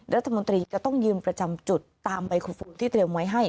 รัฐมนตรีจะต้องยืนประจำจุดตามไมโครโฟมที่เตรียมไว้ให้